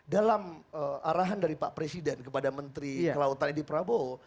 dalam arahan dari pak presiden kepada menteri kelautan edi prabowo